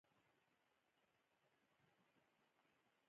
کوږ سړی ښه مشوره نه مني